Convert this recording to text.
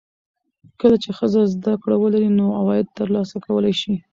کله چې ښځه زده کړه ولري، نو عواید ترلاسه کولی شي.